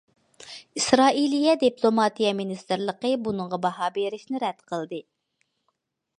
ئىسرائىلىيە دىپلوماتىيە مىنىستىرلىقى بۇنىڭغا باھا بېرىشنى رەت قىلدى.